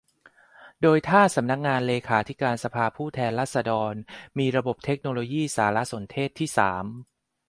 โดยถ้าสำนักงานเลขาธิการสภาผู้แทนราษฎรมีระบบเทคโนโลยีสารสนเทศที่สาม